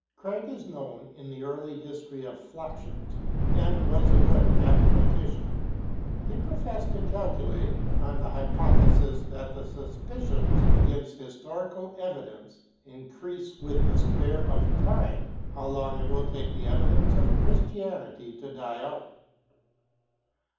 Craig is known in the early history of fluxions, and was a good mathematician. He professed to calculate, on the hypothesis that the suspicions against historical evidence increase with the square of the time, how long it will take the evidence of Christianity to die out.